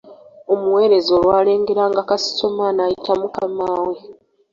Omuweereza olwalengeranga kasitoma, n'ayita mukama we.